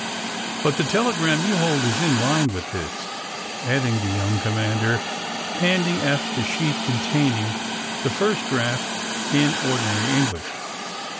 But the telegram you hold is in line with this," added the young commander, hand ing Eph the sheet containing the first draft in ordinary English.